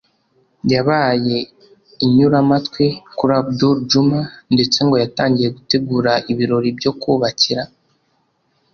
yabaye inyuramatwi kuri Abdul Juma ndetse ngo yatangiye gutegura ibirori byo kubakira